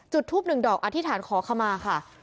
ทูปหนึ่งดอกอธิษฐานขอขมาค่ะ